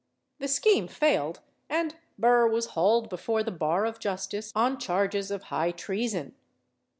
The scheme failed, and Burr was hauled before the bar of justice on charges of high treason.